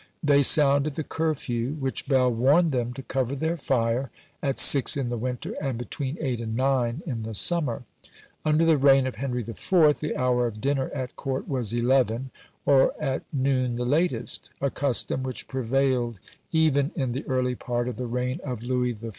They sounded the curfew, which bell warned them to cover their fire, at six in the winter, and between eight and nine in the summer. Under the reign of Henry IV. the hour of dinner at court was eleven, or at noon the latest; a custom which prevailed even in the early part of the reign of Louis XIV.